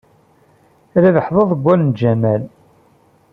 Rabeḥ d aḍeggal n Ǧamel.